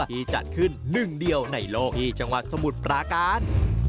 ที่จัดขึ้นหนึ่งเดียวในโลกที่จังหวัดสมุทรปราการ